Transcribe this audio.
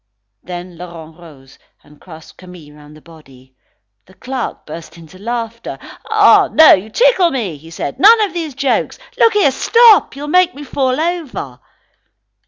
Then Laurent rose and grasped Camille round the body. The clerk burst into laughter. "Ah, no, you tickle me," said he, "none of those jokes. Look here, stop; you'll make me fall over."